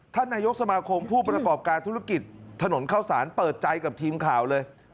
ท่านนายกสมาคมผู้ประกอบการธุรกิจถนนเข้าสารเปิดใจกับทีมข่าวเลย